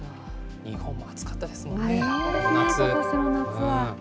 日本も暑かったですもんね、この夏。